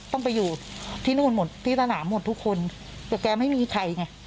ต้องไปอยู่ที่นู่นหมดที่สนามหมดทุกคนแต่แกไม่มีใครไง